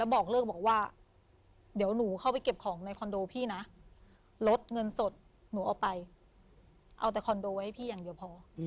บอกเลิกบอกว่าเดี๋ยวหนูเข้าไปเก็บของในคอนโดพี่นะลดเงินสดหนูเอาไปเอาแต่คอนโดไว้ให้พี่อย่างเดียวพอ